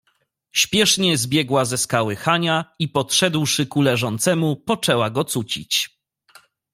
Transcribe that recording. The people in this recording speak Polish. "Śpiesznie zbiegła ze skały Hania, i podszedłszy ku leżącemu, poczęła go cucić."